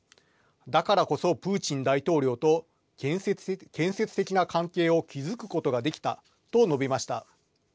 だからこそ、プーチン大統領と建設的な関係を築くことができたと述べました。